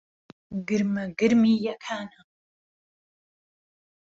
گرمهگرمی یهکانه